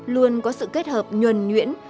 luôn có sự kết hợp nhuần nhuyễn